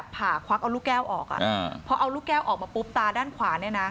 ผ่าควักเอาลูกแก้วออกอ่ะพอเอาลูกแก้วออกมาปุ๊บตาด้านขวาเนี่ยนะ